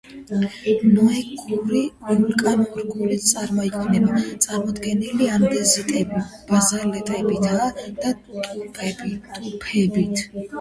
ნეოგენური ვულკანოგენური წარმონაქმნები წარმოდგენილია ანდეზიტებით, ბაზალტებითა და ტუფებით.